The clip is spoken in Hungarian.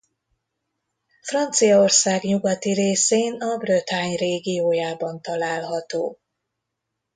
Franciaország nyugati részén a Bretagne régiójában található.